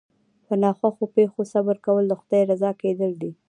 په ناخوښو پېښو صبر کول د خدای رضا کېدل دي.